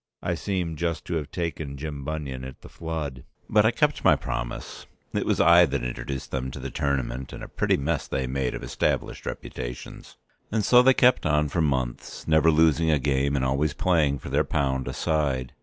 I seem just to have taken Jim Bunion at the flood. But I kept my promise, it was I that introduced them to the Tournament, and a pretty mess they made of established reputations. And so they kept on for months, never losing a game and always playing for their pound a side.